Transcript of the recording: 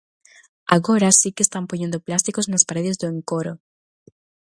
Agora si que están poñendo plásticos nas paredes do encoro.